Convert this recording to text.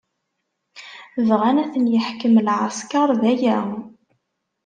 Bɣan ad ten-yeḥkem lɛesker, d aya.